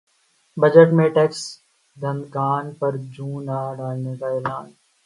budget میں tax دہندگان پر بوجھ نہ ڈالنے کا اعلان